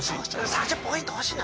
３０ポイント欲しいの。